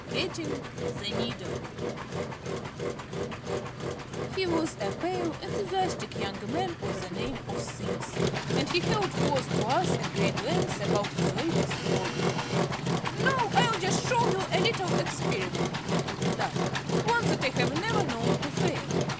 GETTING THE NEEDLE He was a pale, enthusiastic young man of the name of Simms; and he held forth to us at great length about his latest hobby. "Now I'll just show you a little experiment," he wound up, "one that I have never known to fail.